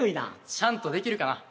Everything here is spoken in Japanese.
ちゃんとできるかな。